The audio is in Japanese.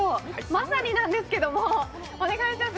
まさになんですけど、お願いします。